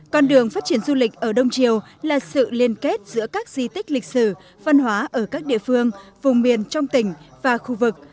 con đường phát triển du lịch ở đông triều là sự liên kết giữa các di tích lịch sử văn hóa ở các địa phương vùng miền trong tỉnh và khu vực